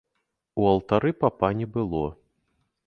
У алтары папа не было.